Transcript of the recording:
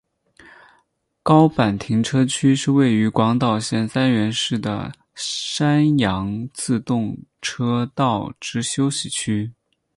高坂停车区是位于广岛县三原市的山阳自动车道之休息区。